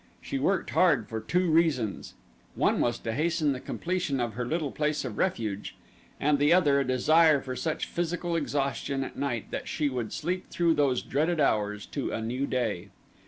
She worked hard for two reasons; one was to hasten the completion of her little place of refuge, and the other a desire for such physical exhaustion at night that she would sleep through those dreaded hours to a new day.